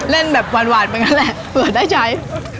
เล่นแบบหวานเหมือนกันแหละเผื่อได้ใช้